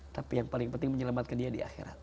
tapi yang paling penting menyelamatkan dia di akhirat